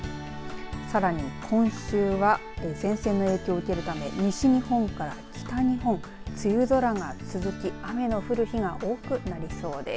さらに今週は前線の影響受をけるため西日本から北日本梅雨空が続き雨が降る日が多くなりそうです。